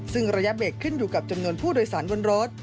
ซึ่งระยะเบรกขึ้นอยู่กับจำนวนผู้โดยสารบนรถ